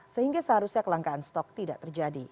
sehingga seharusnya kelangkaan stok tidak terjadi